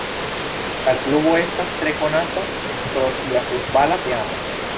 La klubo estas tre konata pro sia futbala teamo.